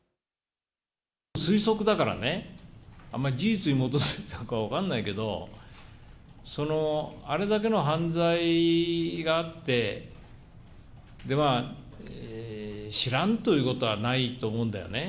推測だからね、あんまり事実に基づいてるのか分からないけど、その、あれだけの犯罪があって、知らんということはないと思うんだよね。